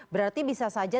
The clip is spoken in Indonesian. berarti bisa saja